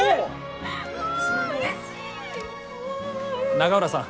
永浦さん。